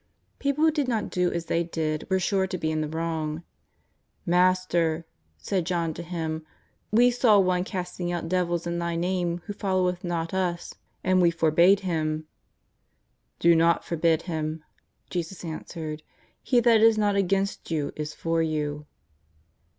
People who did not do as they did were sure to be in the wrong. " Master,'' said John to Him, " we saw one casting out devils in Thy I^ame who followeth not us, and we forbade him." " Do not forbid him," Jesus answered ;" he that is not against you is for you."